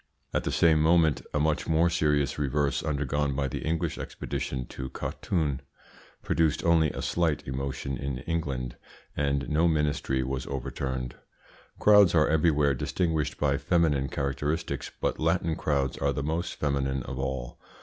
At the same moment a much more serious reverse undergone by the English expedition to Khartoum produced only a slight emotion in England, and no ministry was overturned. Crowds are everywhere distinguished by feminine characteristics, but Latin crowds are the most feminine of all.